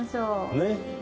ねっ。